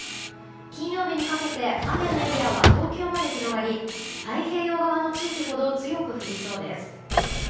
金曜日にかけて雨のエリアは東京まで広がり太平洋側の地域ほど強く降りそうです。